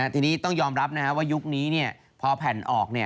ทีนี้ต้องยอมรับว่ายุคนี้พอแผ่นออก